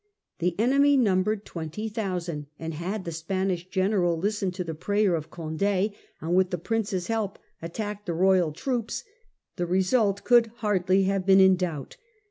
The enemy numbered 20,000, and had the Spanish general listened to the prayer of Condd and, with the Prince's help, attacked the royal troops, the result could hardly have been in doubt.